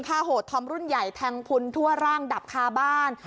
โหดธอมรุ่นใหญ่แทงพุนทั่วร่างดับคาบ้าน